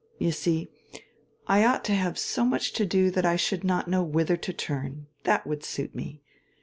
You see, I ought to have so much to do that I should not know whither to turn. That would suit me.